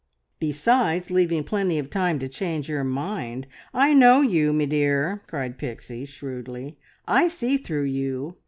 "Besides leaving plenty of time to change your mind. I know you, me dear!" cried Pixie shrewdly. "I see through you!